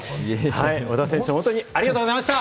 小田選手、本当にありがとうございました！